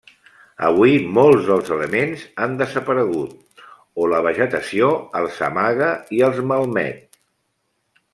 Avui molts dels elements han desaparegut, o la vegetació els amaga i els malmet.